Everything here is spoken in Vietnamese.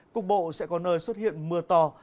cục bộ sẽ có nơi xuất hiện mưa to